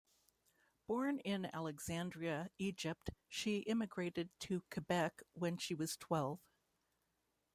Born in Alexandria, Egypt, she immigrated to Quebec when she was twelve.